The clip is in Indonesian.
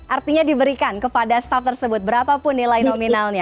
artinya diberikan kepada staff tersebut berapa pun nilai nominalnya